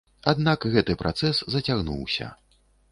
Аднак гэты працэс зацягнуўся.